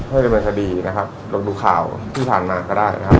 ดำเนินคดีนะครับลองดูข่าวที่ผ่านมาก็ได้นะครับ